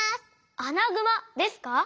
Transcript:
アナグマですか？